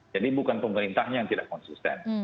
jadi bukan pemerintahnya yang tidak konsisten